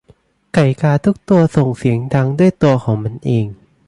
ไก่กาทุกตัวส่งเสียงดังด้วยตัวของมันเอง